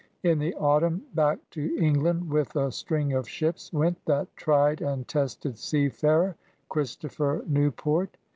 In the autumn back to England with a string of ships went that tried and tested seafarer Christopher Newport.